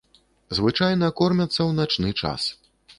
Звычайна кормяцца ў начны час.